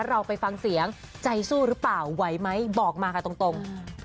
เราไปฟังเสียงใจสู้หรือเปล่าไหวไหมบอกมาค่ะตรง